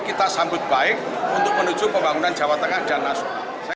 kita sambut baik untuk menuju pembangunan jawa tengah dan nasional